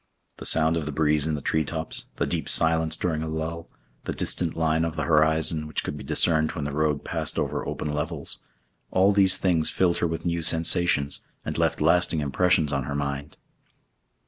The sound of the breeze in the tree tops, the deep silence during a lull, the distant line of the horizon, which could be discerned when the road passed over open levels—all these things filled her with new sensations, and left lasting impressions on her mind.